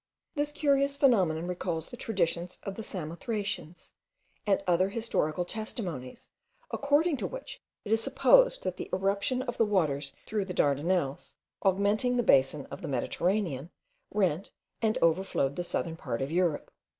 This curious phenomenon recalls the traditions of the Samothracians, and other historical testimonies, according to which it is supposed that the irruption of the waters through the Dardanelles, augmenting the basin of the Mediterranean, rent and overflowed the southern part of Europe.